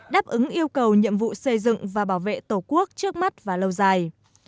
đáp ứng yêu cầu nhiệm vụ xây dựng và bảo vệ tổ quốc trước mắt và lâu dài